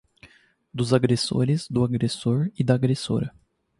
dos agressores, do agressor e da agressora